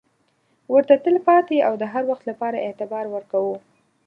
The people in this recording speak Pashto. ورته تل پاتې او د هروخت لپاره اعتبار ورکوو.